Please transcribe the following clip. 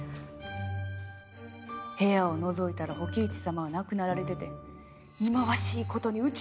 部屋をのぞいたら火鬼壱様は亡くなられてて忌まわしいことにうち